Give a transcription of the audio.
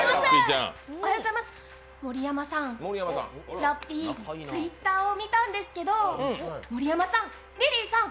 盛山さん、ラッピーＴｗｉｔｔｅｒを見たんですけど盛山さん、リリーさん